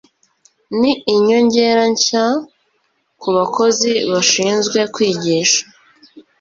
Ni inyongera nshya kubakozi bashinzwe kwigisha.